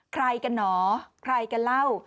ใครกันหนอใครกันเล่า